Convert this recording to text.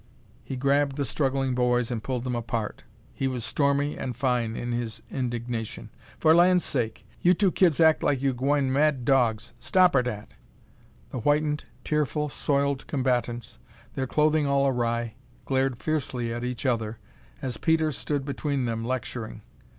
He grabbed the struggling boys and pulled them apart. He was stormy and fine in his indignation. "For lan' sake! You two kids act like you gwine mad dogs. Stopper dat!" The whitened, tearful, soiled combatants, their clothing all awry, glared fiercely at each other as Peter stood between them, lecturing.